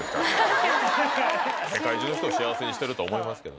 世界中の人を幸せにしてると思いますけどね。